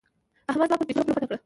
احمد زما پر پيسو خوله پټه کړه.